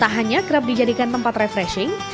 tak hanya kerap dijadikan tempat refreshing